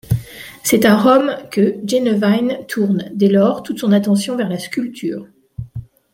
C'est à Rome que Jennewein tourne, dès lors, toute son attention vers la sculpture.